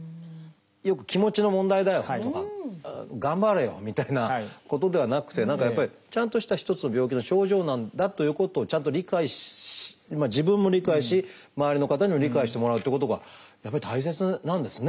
よく「気持ちの問題だよ」とか「頑張れよ」みたいなことではなくて何かやっぱりちゃんとした一つの病気の症状なんだということをちゃんと理解自分も理解し周りの方にも理解してもらうってことがやっぱり大切なんですね。